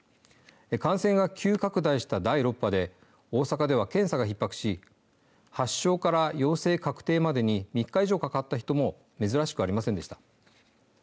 感染が急拡大した第６波で大阪では検査がひっ迫し発症から陽性確定までに３日以上かかった人も珍しくありませんでした。